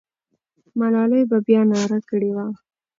ملالۍ به بیا ناره کړې وه.